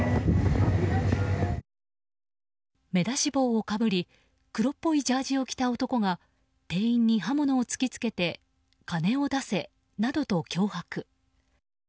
目出し帽をかぶり黒っぽいジャージーを着た男が店員に刃物を突き付けて金を出せなどと脅迫。